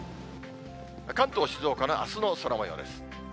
関東、静岡のあすの空もようです。